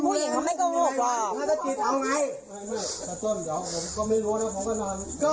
เธอตกใจมากโทรหาพ่อตามมาได้ทันเวลาพอดีเลย